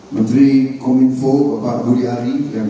menteri komitfo bapak budi ari yang saya hormati